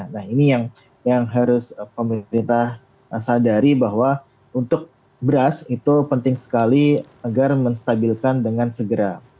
nah ini yang harus pemerintah sadari bahwa untuk beras itu penting sekali agar menstabilkan dengan segera